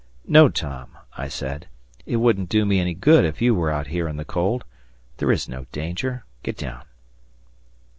"No, Tom," I said; "it wouldn't do me any good if you were out here in the cold. There is no danger; get down."